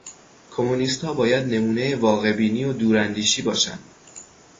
کمونیست ها باید نمونهٔ واقع بینی و دوراندیشی باشند.